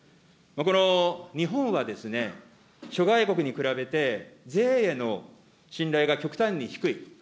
この日本は諸外国に比べて、税への信頼が極端に低い。